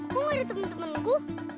kok gak ada temen temenku